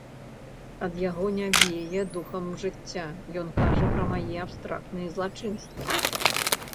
Ад яго не вее духам жыцця, ён кажа пра мае абстрактныя злачынствы.